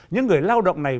những người lao động này